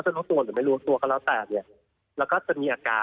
จริงค่ะ